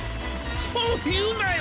そういうなよ！